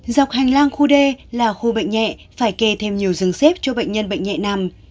dọc hành lang khu đê là khu bệnh nhẹ phải kề thêm nhiều rừng xếp cho bệnh nhân bệnh nhẹ nằm